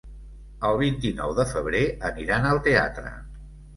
El vint-i-nou de febrer aniran al teatre.